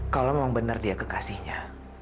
kalau memang benar dia kekasihnya